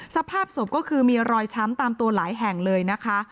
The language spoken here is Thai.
สภาพศพก็คือมีรอยช้ำตามตัวหลายแห่งเลยนะคะ